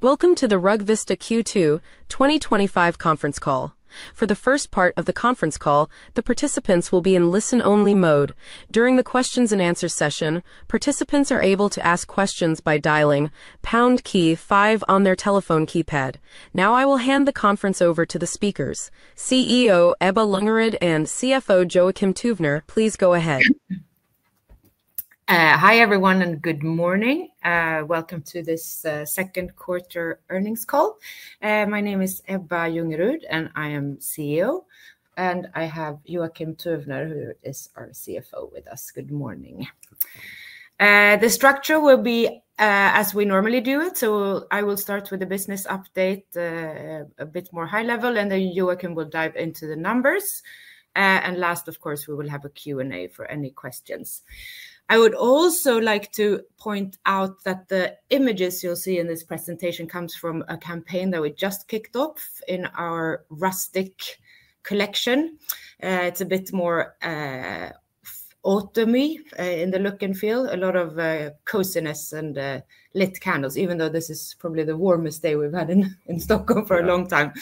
Welcome to the RugVista Q2 2025 Conference Call. For the first part of the conference call, the participants will be in listen-only mode. During the questions and answers session, participants are able to ask questions by dialing pound key five on their telephone keypad. Now, I will hand the conference over to the speakers. CEO Ebba Ljungerud and CFO Joakim Tuvner, please go ahead. Hi everyone, and good morning. Welcome to this second quarter earnings call. My name is Ebba Ljungerud, and I am CEO, and I have Joakim Tuvner, who is our CFO, with us. Good morning. The structure will be as we normally do it. I will start with the business update, a bit more high level, and then Joakim will dive into the numbers. Last, of course, we will have a Q&A for any questions. I would also like to point out that the images you'll see in this presentation come from a campaign that we just kicked off in our Rustic collection. It's a bit more autumn-y in the look and feel, a lot of coziness and lit candles, even though this is probably the warmest day we've had in Stockholm for a long time.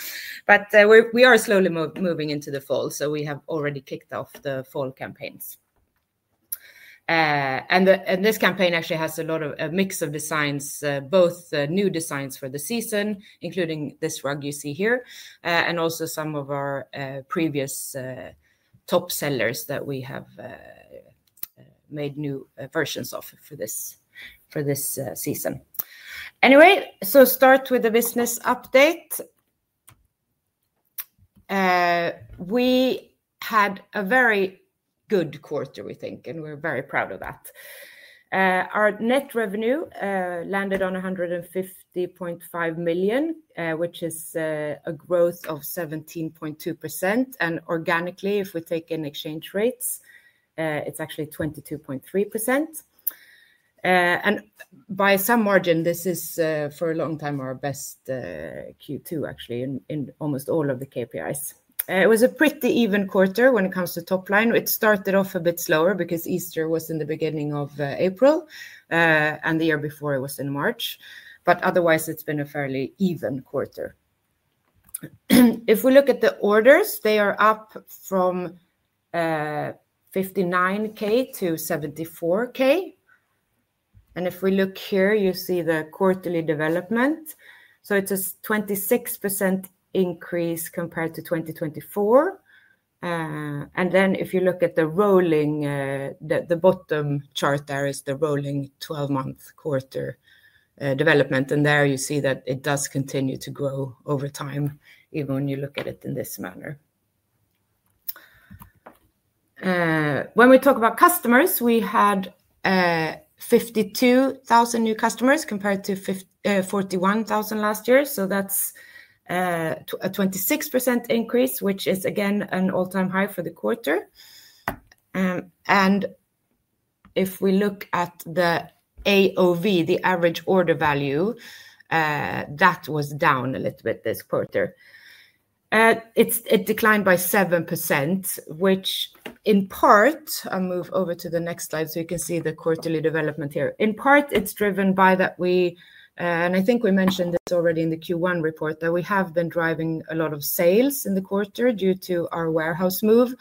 We are slowly moving into the fall, so we have already kicked off the fall campaigns. This campaign actually has a mix of designs, both new designs for the season, including this rug you see here, and also some of our previous top sellers that we have made new versions of for this season. Anyway, to start with the business update. We had a very good quarter, we think, and we're very proud of that. Our net revenue landed on 150.5 million, which is a growth of 17.2%. Organically, if we take in exchange rates, it's actually 22.3%. By some margin, this is for a long time our best Q2, actually, in almost all of the KPIs. It was a pretty even quarter when it comes to top line. It started off a bit slower because Easter was in the beginning of April, and the year before it was in March. Otherwise, it's been a fairly even quarter. If we look at the orders, they are up from 59,000 to 74,000. If we look here, you see the quarterly development. It's a 26% increase compared to 2023. If you look at the rolling, the bottom chart there is the rolling 12-month quarter development. There you see that it does continue to grow over time, even when you look at it in this manner. When we talk about customers, we had 52,000 new customers compared to 41,000 last year. That's a 26% increase, which is again an all-time high for the quarter. If we look at the AOV, the average order value, that was down a little bit this quarter. It declined by 7%, which in part, I'll move over to the next slide so you can see the quarterly development here. In part, it's driven by that we, and I think we mentioned it already in the Q1 report, that we have been driving a lot of sales in the quarter due to our warehouse move.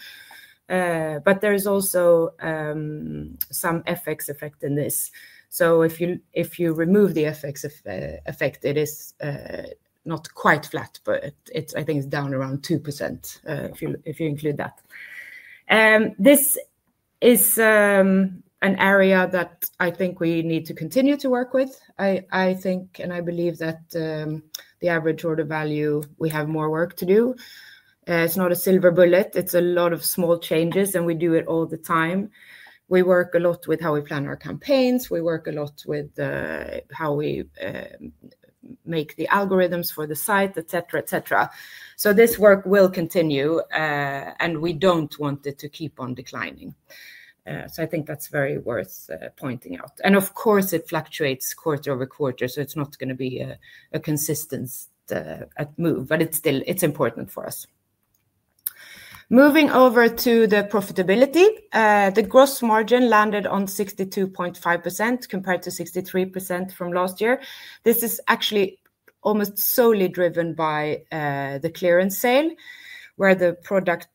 There is also some FX effect in this. If you remove the FX effect, it is not quite flat, but I think it's down around 2% if you include that. This is an area that I think we need to continue to work with. I think, and I believe that the average order value, we have more work to do. It's not a silver bullet. It's a lot of small changes, and we do it all the time. We work a lot with how we plan our campaigns. We work a lot with how we make the algorithms for the site, etc., etc. This work will continue, and we don't want it to keep on declining. I think that's very worth pointing out. Of course, it fluctuates quarter-over-quarter, so it's not going to be a consistent move, but it's still important for us. Moving over to the profitability, the gross margin landed on 62.5% compared to 63% from last year. This is actually almost solely driven by the clearance sale, where the product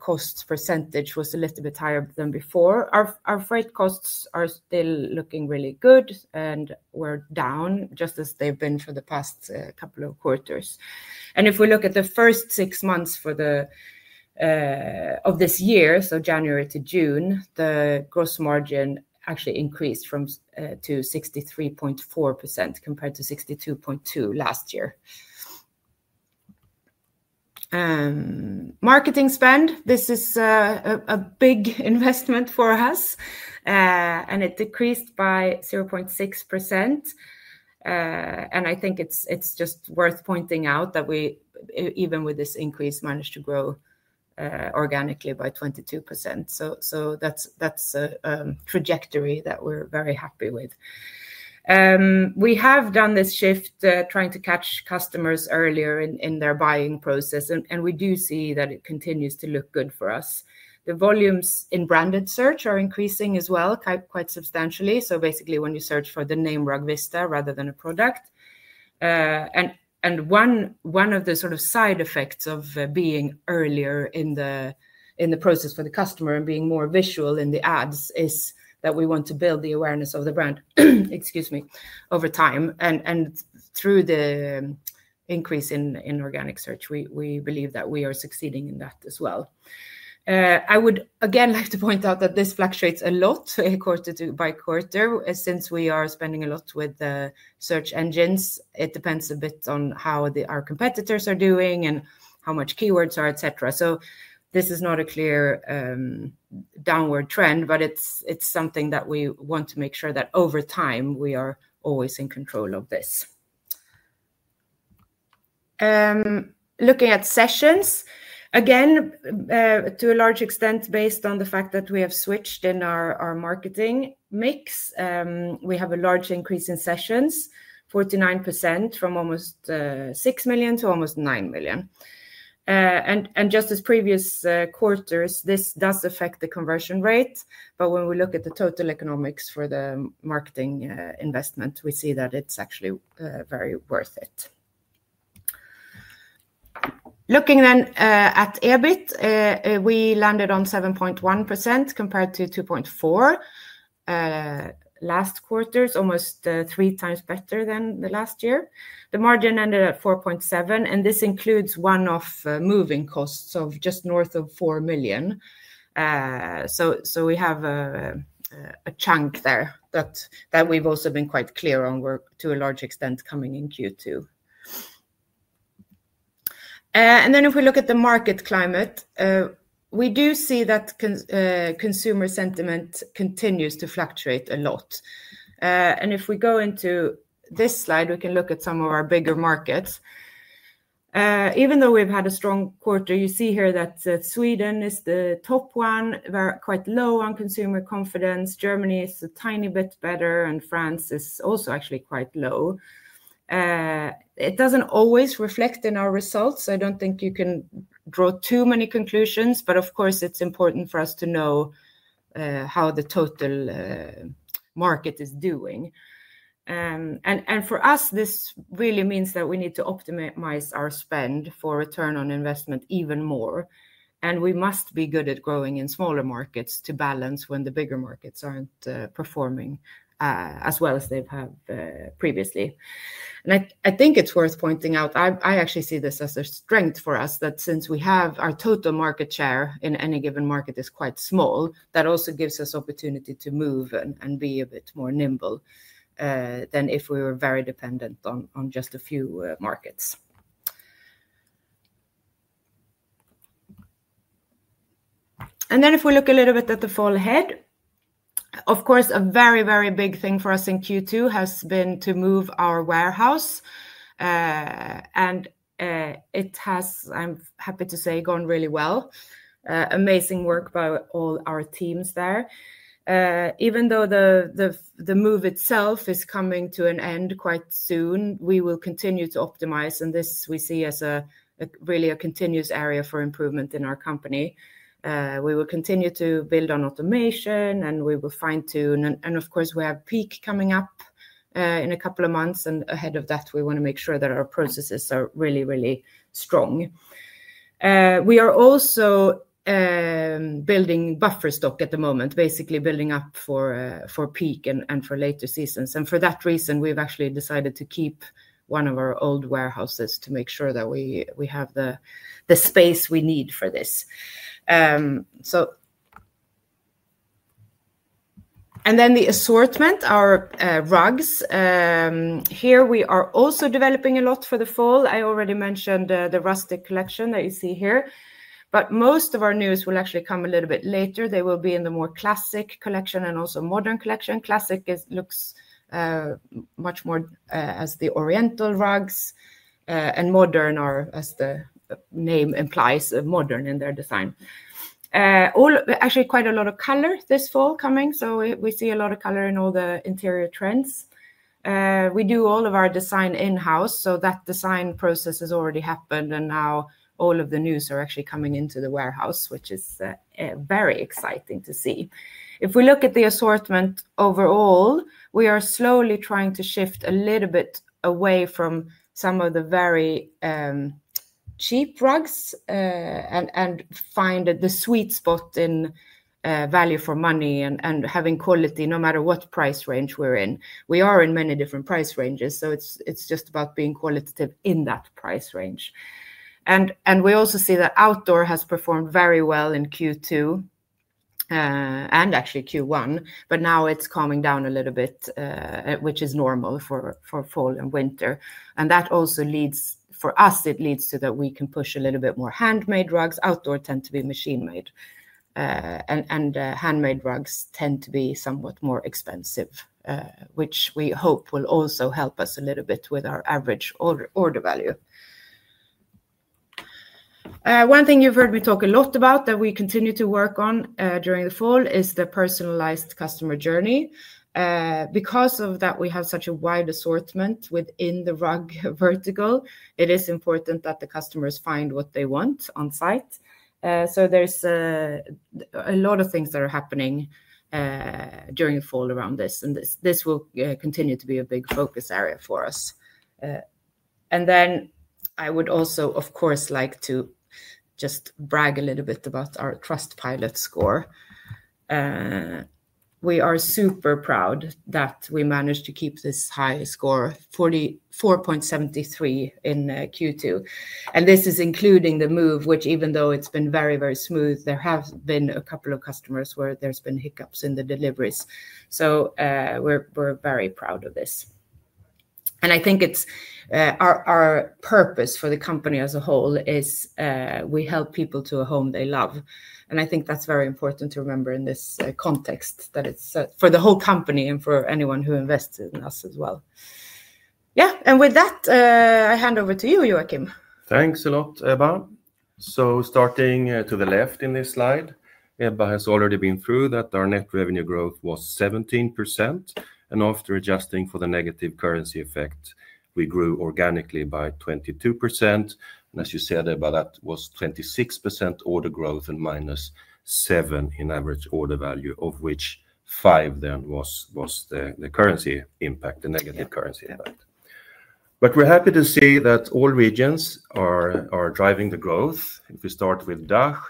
cost percentage was a little bit higher than before. Our freight costs are still looking really good and were down, just as they've been for the past couple of quarters. If we look at the first six months of this year, so January to June, the gross margin actually increased to 63.4% compared to 62.2% last year. Marketing spend, this is a big investment for us, and it decreased by 0.6%. I think it's just worth pointing out that we, even with this increase, managed to grow organically by 22%. That's a trajectory that we're very happy with. We have done this shift, trying to catch customers earlier in their buying process, and we do see that it continues to look good for us. The volumes in branded search are increasing as well, quite substantially. Basically, when you search for the name RugVista rather than a product. One of the sort of side effects of being earlier in the process for the customer and being more visual in the ads is that we want to build the awareness of the brand, excuse me, over time. Through the increase in organic search, we believe that we are succeeding in that as well. I would again like to point out that this fluctuates a lot quarter by quarter since we are spending a lot with search engines. It depends a bit on how our competitors are doing and how much keywords are, etc. This is not a clear downward trend, but it's something that we want to make sure that over time, we are always in control of this. Looking at sessions, again, to a large extent based on the fact that we have switched in our marketing mix, we have a large increase in sessions, 49% from almost 6 million to almost 9 million. Just as previous quarters, this does affect the conversion rate. When we look at the total economics for the marketing investment, we see that it's actually very worth it. Looking then at EBIT, we landed on 7.1% compared to 2.4% last quarter, almost 3x better than last year. The margin ended at 4.7%, and this includes one-off moving costs of just north of 4 million. We have a chunk there that we've also been quite clear on, to a large extent coming in Q2. If we look at the market climate, we do see that consumer sentiment continues to fluctuate a lot. If we go into this slide, we can look at some of our bigger markets. Even though we've had a strong quarter, you see here that Sweden is the top one, quite low on consumer confidence. Germany is a tiny bit better, and France is also actually quite low. It doesn't always reflect in our results. I don't think you can draw too many conclusions, but of course, it's important for us to know how the total market is doing. For us, this really means that we need to optimize our spend for return on investment even more. We must be good at growing in smaller markets to balance when the bigger markets aren't performing as well as they've had previously. I think it's worth pointing out, I actually see this as a strength for us, that since we have our total market share in any given market is quite small, that also gives us opportunity to move and be a bit more nimble than if we were very dependent on just a few markets. If we look a little bit at the fall ahead, of course, a very, very big thing for us in Q2 has been to move our warehouse. It has, I'm happy to say, gone really well. Amazing work by all our teams there. Even though the move itself is coming to an end quite soon, we will continue to optimize, and this we see as really a continuous area for improvement in our company. We will continue to build on automation, and we will fine-tune. Of course, we have peak coming up in a couple of months, and ahead of that, we want to make sure that our processes are really, really strong. We are also building buffer stock at the moment, basically building up for peak and for later seasons. For that reason, we've actually decided to keep one of our old warehouses to make sure that we have the space we need for this. The assortment, our rugs, here, we are also developing a lot for the fall. I already mentioned the Rustic collection that you see here. Most of our news will actually come a little bit later. They will be in the more Classic collection and also Modern collection. Classic looks much more as the oriental rugs, and Modern are, as the name implies, modern in their design. Actually, quite a lot of color this fall coming. We see a lot of color in all the interior trends. We do all of our design in-house, so that design process has already happened, and now all of the news are actually coming into the warehouse, which is very exciting to see. If we look at the assortment overall, we are slowly trying to shift a little bit away from some of the very cheap rugs and find the sweet spot in value for money and having quality no matter what price range we're in. We are in many different price ranges, so it's just about being qualitative in that price range. We also see that outdoor has performed very well in Q2 and actually Q1, but now it's calming down a little bit, which is normal for fall and winter. That also leads, for us, it leads to that we can push a little bit more handmade rugs. Outdoor tend to be machine-made, and handmade rugs tend to be somewhat more expensive, which we hope will also help us a little bit with our average order value. One thing you've heard we talk a lot about that we continue to work on during the fall is the personalized customer journey. Because of that, we have such a wide assortment within the rug vertical. It is important that the customers find what they want on site. There are a lot of things that are happening during the fall around this, and this will continue to be a big focus area for us. I would also, of course, like to just brag a little bit about our Trustpilot score. We are super proud that we managed to keep this high score, 44.73 in Q2. This is including the move, which even though it's been very, very smooth, there have been a couple of customers where there's been hiccups in the deliveries. We're very proud of this. I think our purpose for the company as a whole is we help people to a home they love. I think that's very important to remember in this context, that it's for the whole company and for anyone who invests in us as well. Yeah. With that, I hand over to you, Joakim. Thanks a lot, Ebba. Starting to the left in this slide, Ebba has already been through that our net revenue growth was 17%. After adjusting for the negative currency effect, we grew organically by 22%. As you said, Ebba, that was 26% order growth and -7% in average order value, of which 5% then was the currency impact, the negative currency impact. We're happy to see that all regions are driving the growth. If we start with DACH,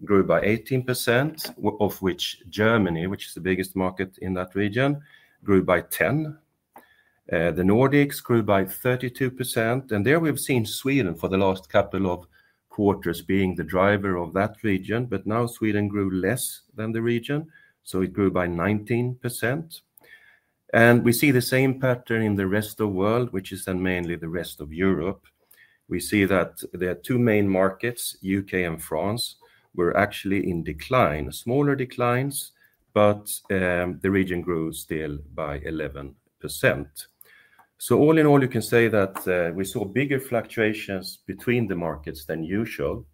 it grew by 18%, of which Germany, which is the biggest market in that region, grew by 10%. The Nordics grew by 32%. There we've seen Sweden for the last couple of quarters being the driver of that region. Now Sweden grew less than the region, so it grew by 19%. We see the same pattern in the rest of the world, which is then mainly the rest of Europe. We see that there are two main markets, U.K. and France, were actually in decline, smaller declines, but the region grew still by 11%. All in all, you can say that we saw bigger fluctuations between the markets than usual,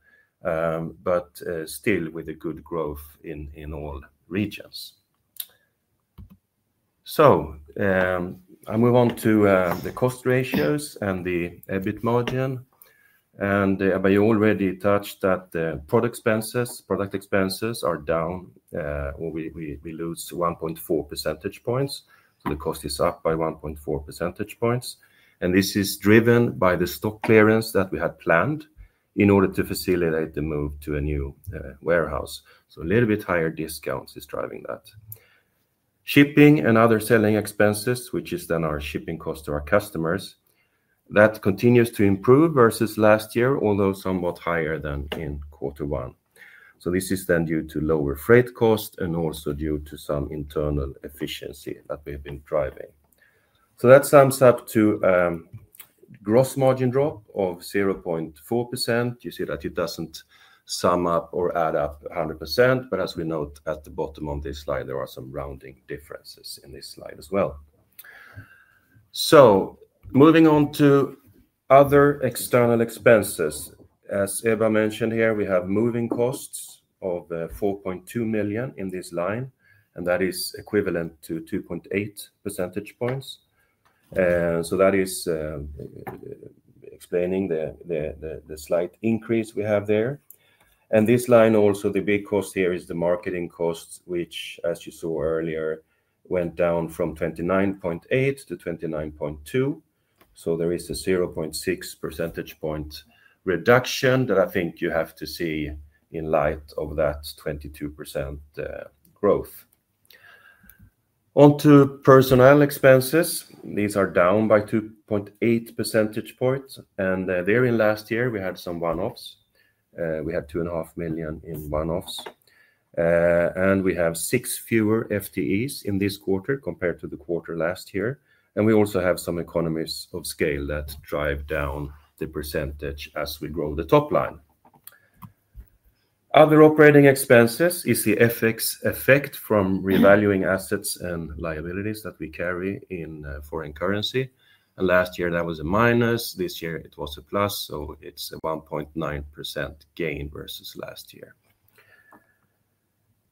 still with a good growth in all regions. I move on to the cost ratios and the EBIT margin. Ebba, you already touched that the product expenses are down, or we lose 1.4 percentage points. The cost is up by 1.4 percentage points. This is driven by the stock clearance that we had planned in order to facilitate the move to a new warehouse. A little bit higher discounts is driving that. Shipping and other selling expenses, which is then our shipping cost to our customers, continues to improve versus last year, although somewhat higher than in quarter one. This is then due to lower freight costs and also due to some internal efficiency that we've been driving. That sums up to a gross margin drop of 0.4%. You see that it doesn't sum up or add up 100%. As we note at the bottom of this slide, there are some rounding differences in this slide as well. Moving on to other external expenses, as Ebba mentioned here, we have moving costs of 4.2 million in this line, and that is equivalent to 2.8 percentage points. That is explaining the slight increase we have there. This line also, the big cost here is the marketing cost, which, as you saw earlier, went down from 29.8% to 29.2%. There is a 0.6 percentage point reduction that I think you have to see in light of that 22% growth. Onto personnel expenses, these are down by 2.8 percentage points. There in last year, we had some one-offs. We had 2.5 million in one-offs. We have six fewer FTEs in this quarter compared to the quarter last year. We also have some economies of scale that drive down the percentage as we grow the top line. Other operating expenses is the FX effect from revaluing assets and liabilities that we carry in foreign currency. Last year, that was a minus. This year, it was a plus. It is a 1.9% gain versus last year.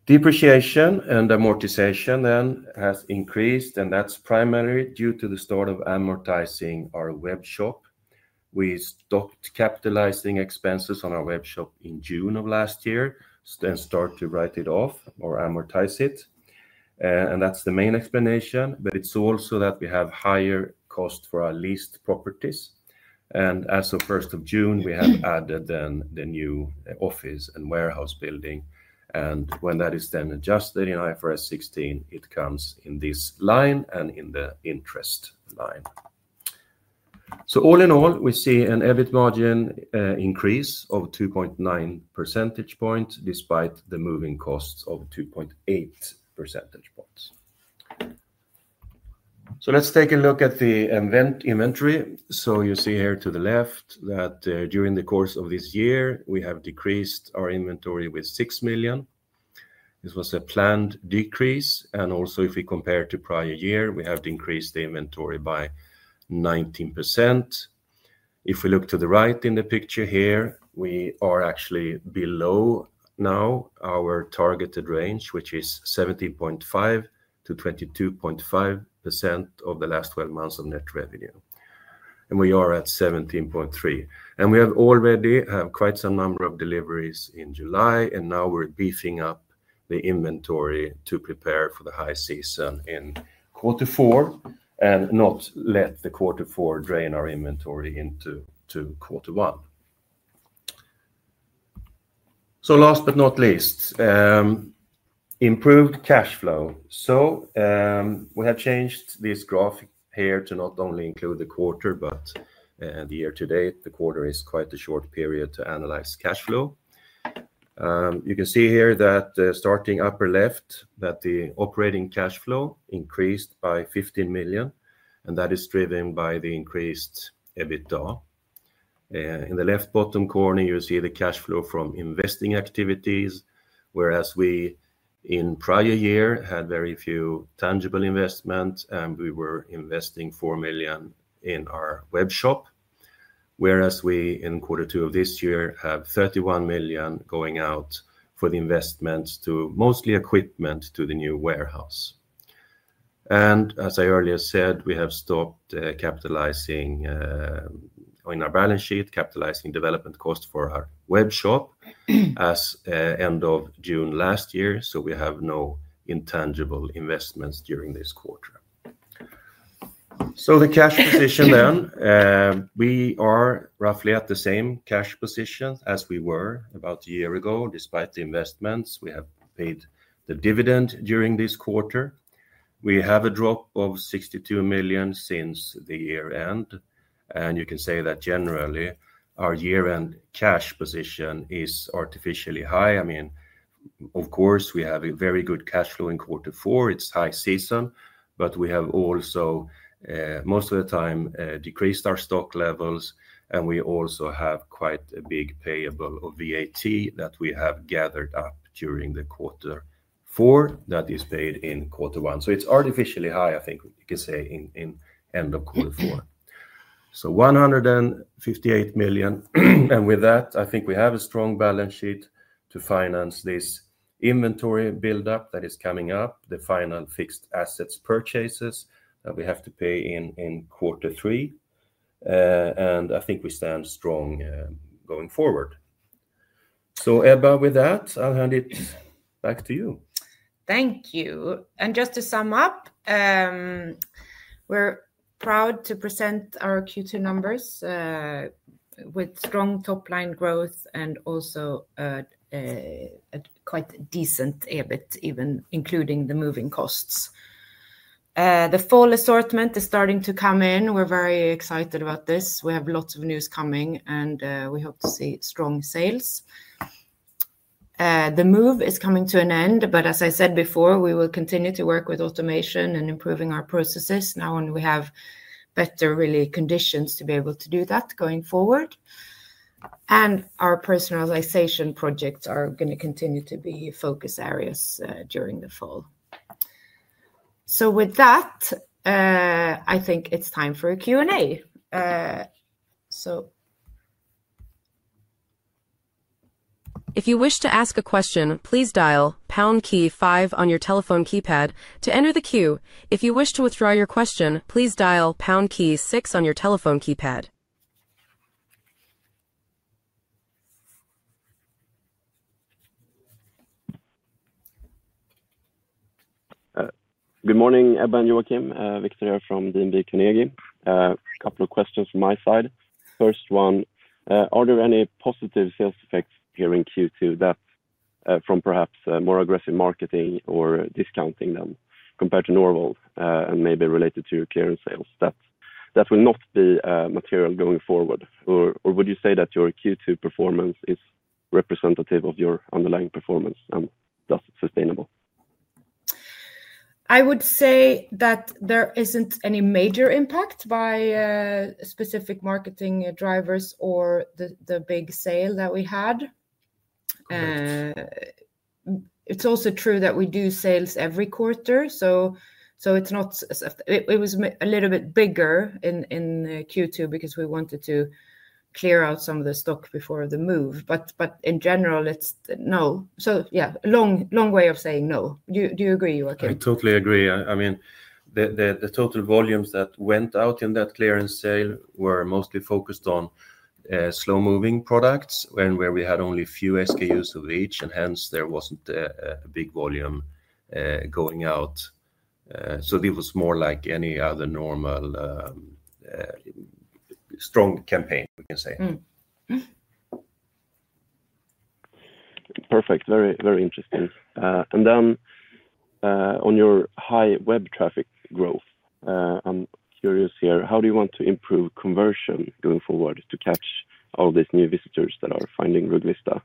Depreciation and amortization then has increased, and that's primarily due to the start of amortizing our web shop. We stopped capitalizing expenses on our web shop in June of last year, then started to write it off or amortize it. That's the main explanation. It is also that we have higher costs for our leased properties. As of June 1, we have added the new office and warehouse building. When that is then adjusted in IFRS 16, it comes in this line and in the interest line. All in all, we see an EBIT margin increase of 2.9 percentage points despite the moving costs of 2.8 percentage points. Let's take a look at the inventory. You see here to the left that during the course of this year, we have decreased our inventory by 6 million. This was a planned decrease. If we compare to prior year, we have increased the inventory by 19%. If we look to the right in the picture here, we are actually below now our targeted range, which is 17.5%-22.5% of the last 12 months of net revenue. We are at 17.3%. We have already had quite some number of deliveries in July, and now we're beefing up the inventory to prepare for the high season in quarter four and not let the quarter four drain our inventory into quarter one. Last but not least, improved cash flow. We have changed this graph here to not only include the quarter, but the year to date. The quarter is quite a short period to analyze cash flow. You can see here that starting upper left, the operating cash flow increased by 15 million, and that is driven by the increased EBITDA. In the left bottom corner, you'll see the cash flow from investing activities, whereas we in prior year had very few tangible investments, and we were investing 4 million in our web shop, whereas in quarter two of this year we have 31 million going out for the investments, mostly equipment to the new warehouse. As I earlier said, we have stopped capitalizing on our balance sheet, capitalizing development costs for our web shop as of end of June last year. We have no intangible investments during this quarter. The cash position then, we are roughly at the same cash position as we were about a year ago. Despite the investments, we have paid the dividend during this quarter. We have a drop of 62 million since the year-end. You can say that generally, our year-end cash position is artificially high. I mean, of course, we have a very good cash flow in quarter four. It's high season, but we have also, most of the time, decreased our stock levels. We also have quite a big payable of VAT that we have gathered up during quarter four that is paid in quarter one. It's artificially high, I think we can say in end of quarter four. 158 million. With that, I think we have a strong balance sheet to finance this inventory buildup that is coming up, the final fixed assets purchases that we have to pay in quarter three. I think we stand strong going forward. Ebba, with that, I'll hand it back to you. Thank you. To sum up, we're proud to present our Q2 numbers with strong top-line growth and also a quite decent EBIT, even including the moving costs. The fall assortment is starting to come in. We're very excited about this. We have lots of news coming, and we hope to see strong sales. The move is coming to an end. As I said before, we will continue to work with automation and improving our processes. Now we have better, really, conditions to be able to do that going forward. Our personalization projects are going to continue to be focus areas during the fall. With that, I think it's time for a Q&A. If you wish to ask a question, please dial pound key five on your telephone keypad to enter the queue. If you wish to withdraw your question, please dial pound key six on your telephone keypad. Good morning, Ebba and Joakim. Victor here from DNB Carnegie. A couple of questions from my side. First one, are there any positive sales effects here in Q2 that from perhaps more aggressive marketing or discounting compared to normal and maybe related to carrying sales that will not be material going forward? Or would you say that your Q2 performance is representative of your underlying performance and thus sustainable? I would say that there isn't any major impact by specific marketing drivers or the big sale that we had. It's also true that we do sales every quarter. It was a little bit bigger in Q2 because we wanted to clear out some of the stock before the move. In general, it's no. Yeah, long way of saying no. Do you agree, Joakim? I totally agree. I mean, the total volumes that went out in that clearance sale were mostly focused on slow-moving products and where we had only a few SKUs of each, and hence there wasn't a big volume going out. It was more like any other normal strong campaign, we can say. Perfect. Very, very interesting. On your high web traffic growth, I'm curious here, how do you want to improve conversion going forward to catch all these new visitors that are finding RugVista?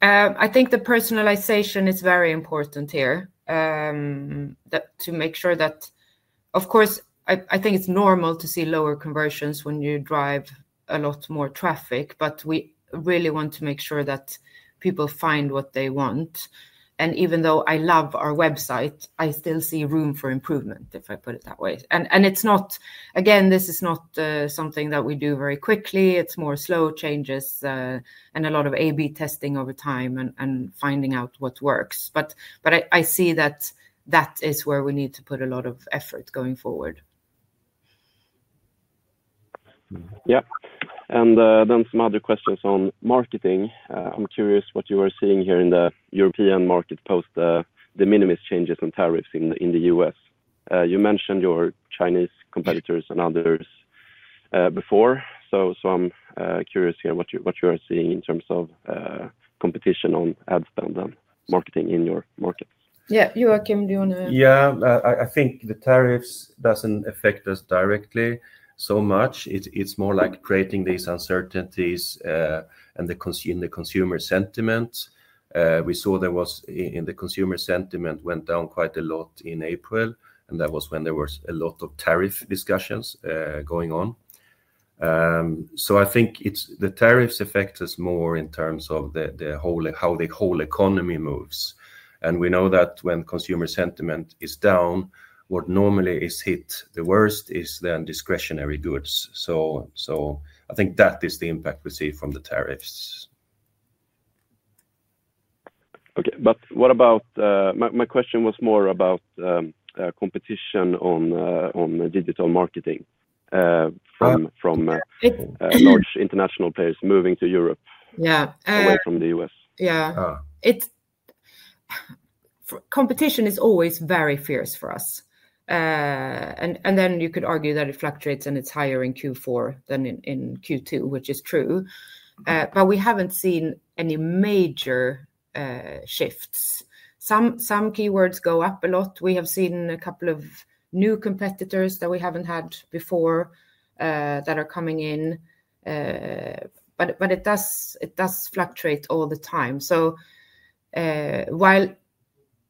I think the personalization is very important here to make sure that, of course, it's normal to see lower conversions when you drive a lot more traffic, but we really want to make sure that people find what they want. Even though I love our website, I still see room for improvement, if I put it that way. This is not something that we do very quickly. It's more slow changes and a lot of A/B testing over time and finding out what works. I see that is where we need to put a lot of effort going forward. Yeah. I have some other questions on marketing. I'm curious what you are seeing here in the European market post the minimalist changes and tariffs in the U.S. You mentioned your Chinese competitors and others before. I'm curious what you are seeing in terms of competition on ad spend and marketing in your market. Yeah. Joakim, do you want to? I think the tariffs don't affect us directly so much. It's more like creating these uncertainties in the consumer sentiment. We saw that the consumer sentiment went down quite a lot in April, and that was when there were a lot of tariff discussions going on. I think the tariffs affect us more in terms of how the whole economy moves. We know that when consumer sentiment is down, what normally is hit the worst is then discretionary goods. I think that is the impact we see from the tariffs. Okay. My question was more about competition on digital marketing from large international players moving to Europe or from the U.S. Yeah. Competition is always very fierce for us. You could argue that it fluctuates and it's higher in Q4 than in Q2, which is true. We haven't seen any major shifts. Some keywords go up a lot. We have seen a couple of new competitors that we haven't had before that are coming in. It does fluctuate all the time.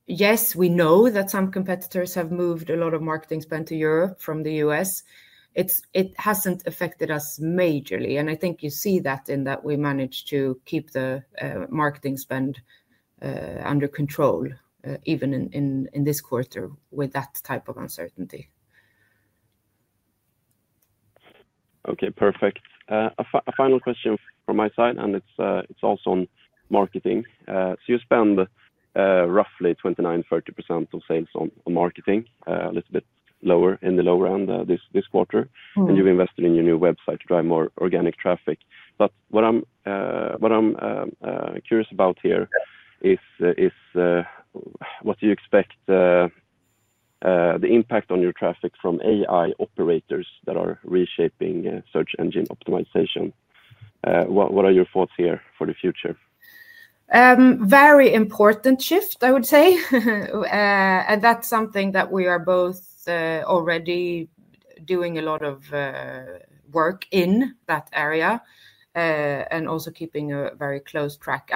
Yes, we know that some competitors have moved a lot of marketing spend to Europe from the U.S., it hasn't affected us majorly. I think you see that in that we managed to keep the marketing spend under control even in this quarter with that type of uncertainty. Okay. Perfect. A final question from my side, and it's also on marketing. You spend roughly 29%, 30% of sales on marketing, a little bit lower in the lower end this quarter. You've invested in your new website to drive more organic traffic. What I'm curious about here is what do you expect the impact on your traffic from AI operators that are reshaping search engine optimization? What are your thoughts here for the future? Very important shift, I would say. That's something that we are both already doing a lot of work in that area and also keeping a very close track.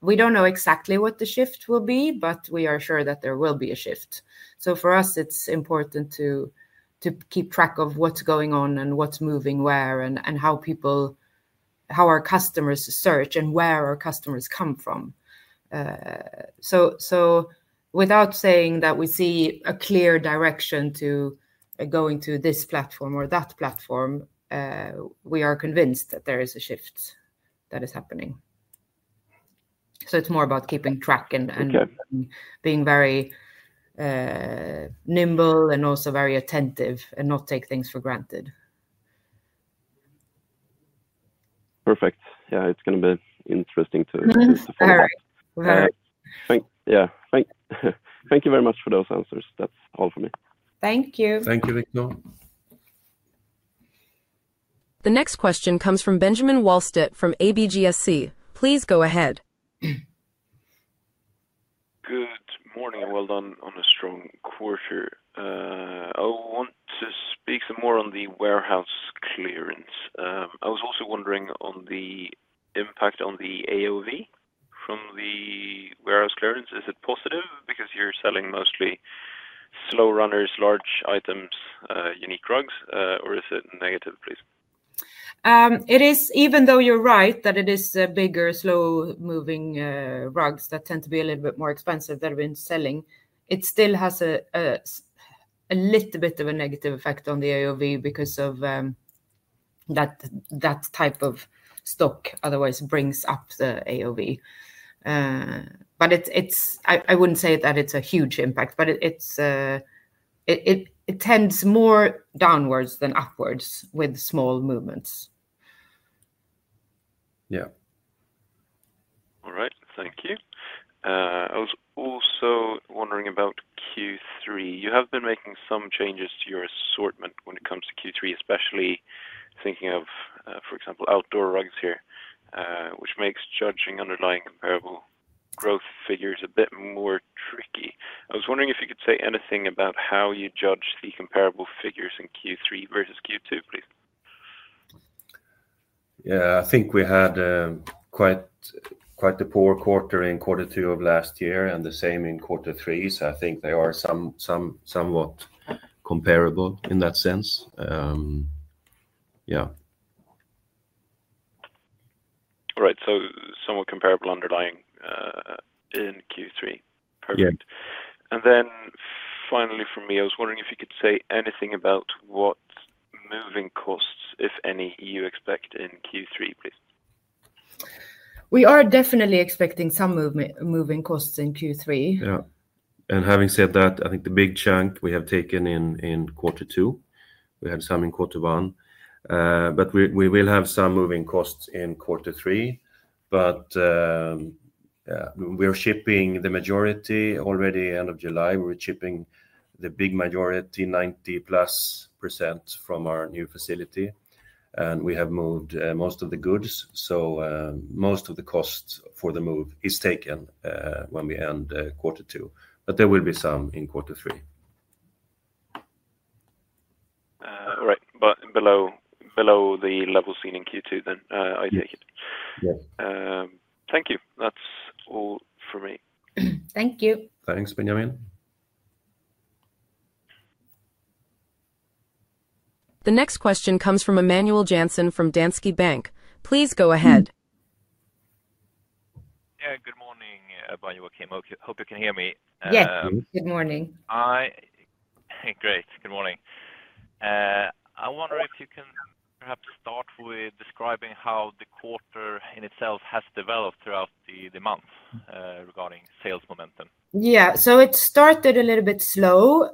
We don't know exactly what the shift will be, but we are sure that there will be a shift. For us, it's important to keep track of what's going on and what's moving where and how people, how our customers search and where our customers come from. Without saying that we see a clear direction to going to this platform or that platform, we are convinced that there is a shift that is happening. It's more about keeping track and being very nimble and also very attentive and not take things for granted. Perfect. Yeah, it's going to be interesting to see the full picture. All right. Thank you very much for those answers. That's all for me. Thank you. Thank you, Victor. The next question comes from Benjamin Wahlstedt from ABGSC. Please go ahead. Good morning and well done on a strong quarter. I want to speak some more on the warehouse clearance. I was also wondering on the impact on the AOV from the warehouse clearance. Is it positive because you're selling mostly slow runners, large items, unique rugs, or is it negative, please? It is, even though you're right that it is bigger, slow-moving rugs that tend to be a little bit more expensive than we're selling, it still has a little bit of a negative effect on the AOV because that type of stock otherwise brings up the AOV. I wouldn't say that it's a huge impact, but it tends more downwards than upwards with small movements. Yeah. All right. Thank you. I was also wondering about Q3. You have been making some changes to your assortment when it comes to Q3, especially thinking of, for example, outdoor rugs here, which makes judging underlying comparable growth figures a bit more tricky. I was wondering if you could say anything about how you judge the comparable figures in Q3 versus Q2, please. I think we had quite a poor quarter in quarter two of last year and the same in quarter three. I think they are somewhat comparable in that sense. All right. Somewhat comparable underlying in Q3. Perfect. Finally, for me, I was wondering if you could say anything about what moving costs, if any, you expect in Q3, please. We are definitely expecting some moving costs in Q3. Yeah. Having said that, I think the big chunk we have taken in quarter two, we had some in quarter one. We will have some moving costs in quarter three. We're shipping the majority already end of July. We're shipping the big majority, 90%+ from our new facility, and we have moved most of the goods. Most of the costs for the move are taken when we end quarter two, but there will be some in quarter three. All right, but below the levels seen in Q2 then, I take it. Yeah. Thank you. That's all for me. Thank you. Thanks, Benjamin. The next question comes from Emmanuel Jansen from Danske Bank. Please go ahead. Good morning, Ebba and Joakim. I hope you can hear me. Yes, good morning. Great. Good morning. I wonder if you can perhaps start with describing how the quarter in itself has developed throughout the month regarding sales momentum. It started a little bit slow,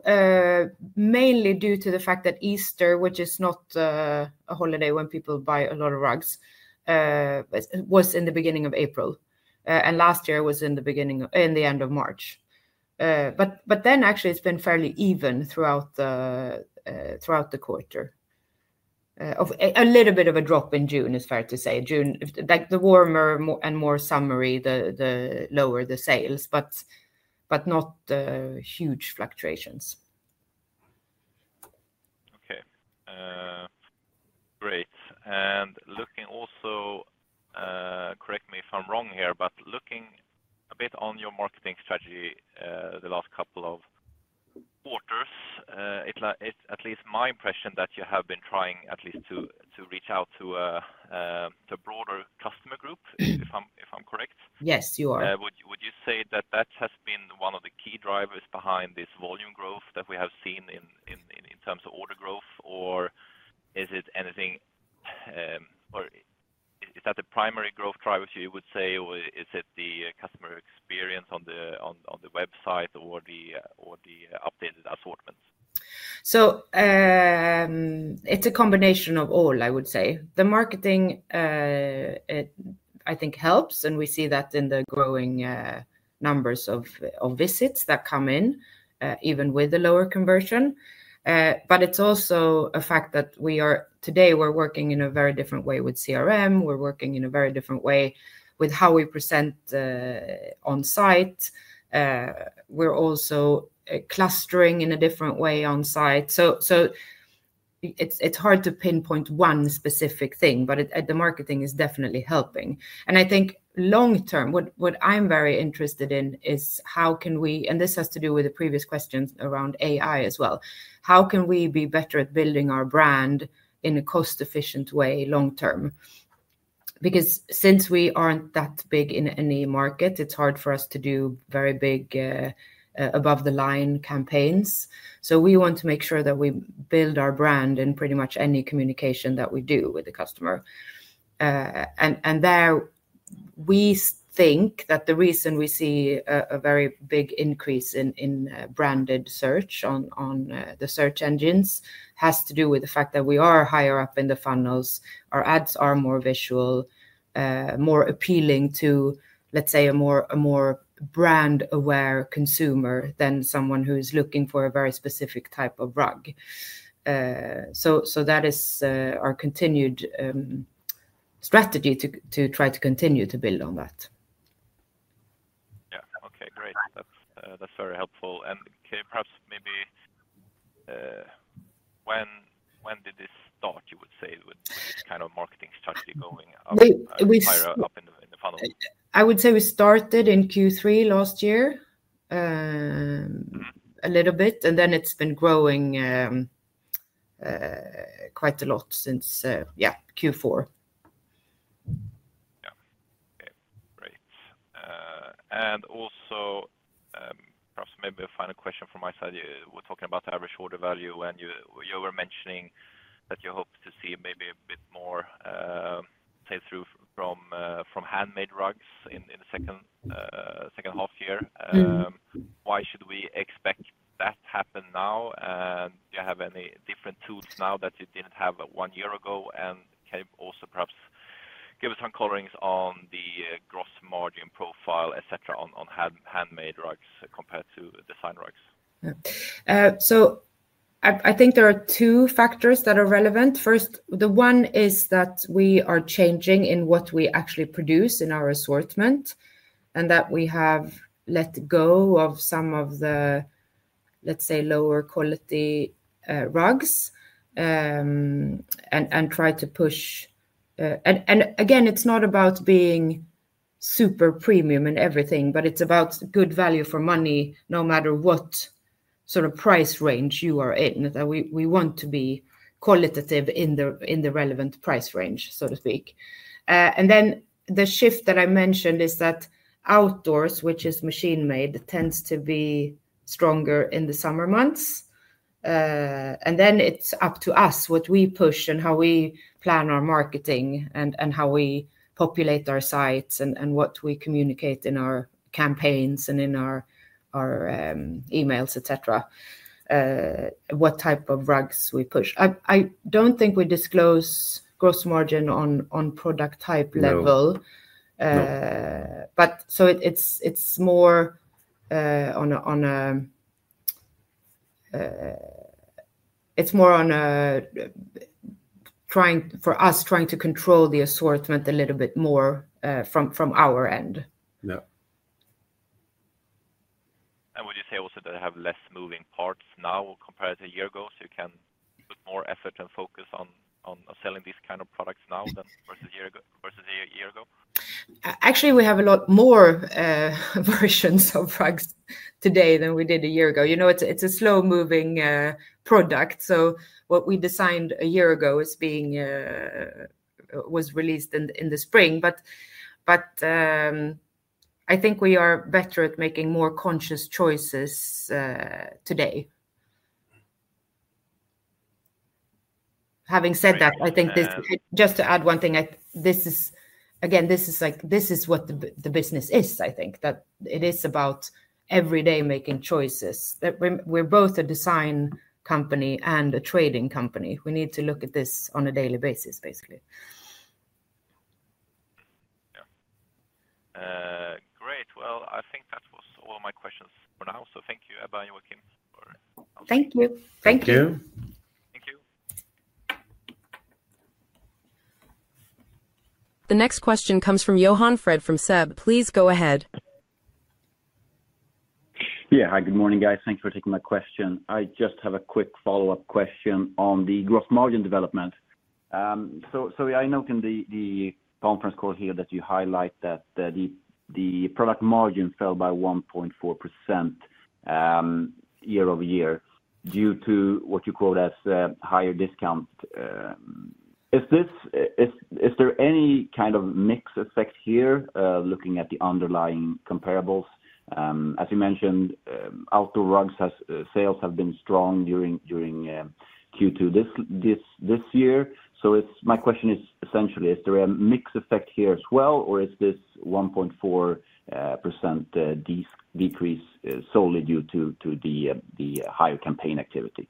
mainly due to the fact that Easter, which is not a holiday when people buy a lot of rugs, was in the beginning of April. Last year was in the end of March. Actually, it's been fairly even throughout the quarter. A little bit of a drop in June is fair to say. June, the warmer and more summery, the lower the sales, but not huge fluctuations. Okay. Great. Looking also, correct me if I'm wrong here, but looking a bit on your marketing strategy the last couple of quarters, it's at least my impression that you have been trying at least to reach out to a broader customer group, if I'm correct. Yes, you are. Would you say that that has been one of the key drivers behind this volume growth that we have seen in terms of order growth, or is it anything? Is that the primary growth driver, you would say, or is it the customer experience on the website or the updated assortment? It is a combination of all, I would say. The marketing, I think, helps, and we see that in the growing numbers of visits that come in, even with the lower conversion. It is also a fact that we are today working in a very different way with CRM. We are working in a very different way with how we present on site. We are also clustering in a different way on site. It is hard to pinpoint one specific thing, but the marketing is definitely helping. I think long term, what I am very interested in is how can we, and this has to do with the previous questions around AI as well, how can we be better at building our brand in a cost-efficient way long term? Since we are not that big in any market, it is hard for us to do very big above-the-line campaigns. We want to make sure that we build our brand in pretty much any communication that we do with the customer. We think that the reason we see a very big increase in branded search on the search engines has to do with the fact that we are higher up in the funnels. Our ads are more visual, more appealing to, let's say, a more brand-aware consumer than someone who is looking for a very specific type of rug. That is our continued strategy to try to continue to build on that. Okay. Great. That's very helpful. Can you perhaps maybe when did this start, you would say, with this kind of marketing strategy going higher up in the funnel? I would say we started in Q3 last year a little bit, and then it's been growing quite a lot since Q4. Great. Perhaps maybe a final question from my side. We're talking about the average order value, and you were mentioning that you hope to see maybe a bit more sales through from handmade rugs in the second half year. Why should we expect that to happen now? Do you have any different tools now that you didn't have one year ago? Can you also perhaps give us some colorings on the gross margin profile, etc., on handmade rugs compared to design rugs? Yeah. I think there are two factors that are relevant. First, the one is that we are changing in what we actually produce in our assortment and that we have let go of some of the, let's say, lower quality rugs and try to push. Again, it's not about being super premium in everything, but it's about good value for money no matter what sort of price range you are in, that we want to be qualitative in the relevant price range, so to speak. The shift that I mentioned is that outdoors, which is machine-made, tends to be stronger in the summer months. It's up to us what we push and how we plan our marketing and how we populate our sites and what we communicate in our campaigns and in our emails, etc., what type of rugs we push. I don't think we disclose gross margin on product type level. It's more on a trying for us, trying to control the assortment a little bit more from our end. Yeah. Would you say also that they have less moving parts now compared to a year ago? You can put more effort and focus on selling these kind of products now than versus a year ago? Actually, we have a lot more versions of rugs today than we did a year ago. It's a slow-moving product, so what we designed a year ago was released in the spring. I think we are better at making more conscious choices today. Having said that, just to add one thing, this is what the business is. I think that it is about every day making choices. We're both a design company and a trading company. We need to look at this on a daily basis, basically. Great. I think that was all my questions for now. Thank you, Ebba and Joakim. Thank you. Thank you. The next question comes from Johann Fred from SEB. Please go ahead. Yeah. Hi. Good morning, guys. Thank you for taking my question. I just have a quick follow-up question on the gross margin development. I note in the conference call here that you highlight that the product margin fell by 1.4% year-over-year due to what you quote as a higher discount. Is there any kind of mix effect here looking at the underlying comparables? As you mentioned, outdoor rugs' sales have been strong during Q2 this year. My question is essentially, is there a mix effect here as well, or is this 1.4% decrease solely due to the higher campaign activity?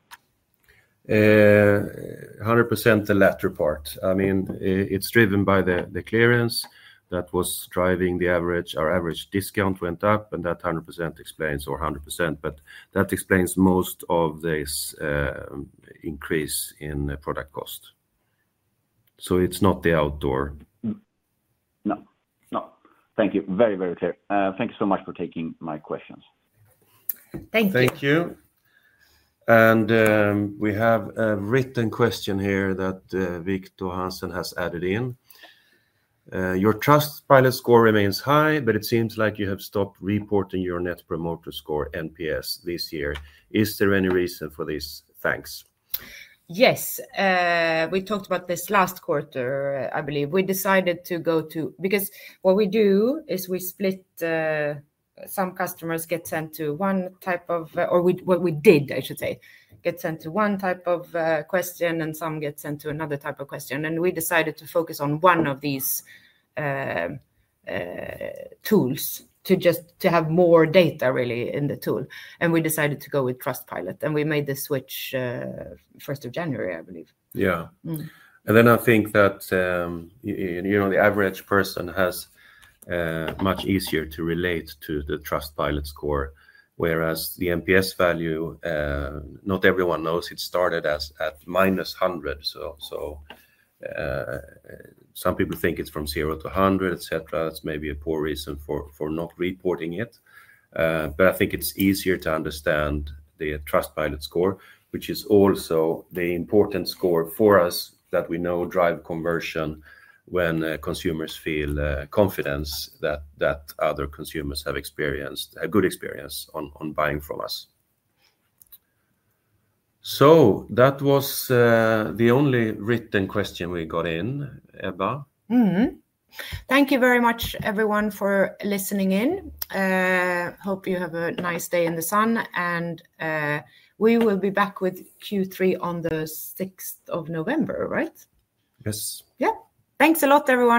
100% the latter part. I mean, it's driven by the clearance that was driving the average. Our average discount went up, and that 100% explains, or 100%, but that explains most of this increase in product cost. It's not the outdoor. Thank you. Very, very clear. Thank you so much for taking my questions. Thank you. Thank you. We have a written question here that Victor Hansen has added in. Your Trustpilot score remains high, but it seems like you have stopped reporting your Net Promoter Score, NPS, this year. Is there any reason for this? Thanks. Yes, we talked about this last quarter, I believe. We decided to go to, because what we do is we split. Some customers get sent to one type of, or what we did, I should say, get sent to one type of question, and some get sent to another type of question. We decided to focus on one of these tools to just have more data, really, in the tool. We decided to go with Trustpilot, and we made this switch J1st of January, I believe. Yeah. I think that, you know, the average person has much easier to relate to the Trustpilot score. Whereas the NPS value, not everyone knows it started at -100. Some people think it's from 0-100, etc. That's maybe a poor reason for not reporting it. I think it's easier to understand the Trustpilot score, which is also the important score for us that we know drives conversion when consumers feel confidence that other consumers have experienced a good experience on buying from us. That was the only written question we got in, Ebba. Thank you very much, everyone, for listening in. Hope you have a nice day in the sun. We will be back with Q3 on the 6th of November, right? Yes. Yeah, thanks a lot, everyone.